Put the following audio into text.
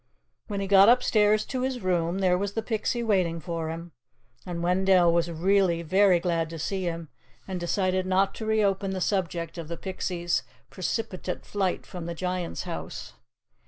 When he got upstairs to his room, there was the Pixie waiting for him, and Wendell was really very glad to see him, and decided not to reopen the subject of the Pixie's precipitate flight from the Giant's house.